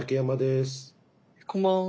こんばんは。